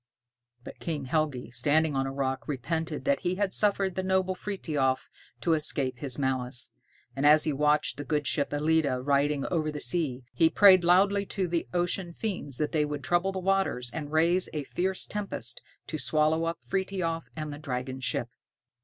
But King Helgi standing on a rock repented that he had suffered the noble Frithiof to escape his malice; and as he watched the good ship "Ellide" riding over the sea, he prayed loudly to the ocean fiends that they would trouble the waters and raise a fierce tempest to swallow up Frithiof and the dragon ship.